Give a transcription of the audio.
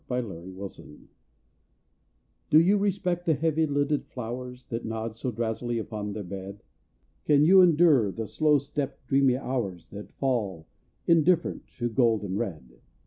XL Tranquillity Do you respect the heavy lidded flowers That nod so drowsily upon their bed? Can you endure the slow stepped, dreamy hours That fall, indifferent, to gold and red?